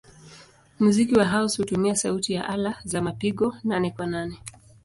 Muziki wa house hutumia sauti ya ala za mapigo nane-kwa-nane.